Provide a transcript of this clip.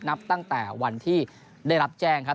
นับตั้งแต่วันที่ได้รับแจ้งครับ